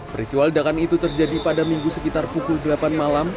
peristiwa ledakan itu terjadi pada minggu sekitar pukul delapan malam